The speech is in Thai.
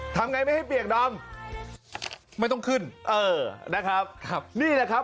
ทำไงไม่ให้เปียกดำไม่ต้องขึ้นเออนะครับครับนี่แหละครับ